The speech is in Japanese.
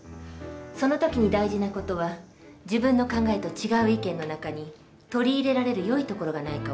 その時に大事な事は自分の考えと違う意見の中に取り入れられる良いところがないかを探す事。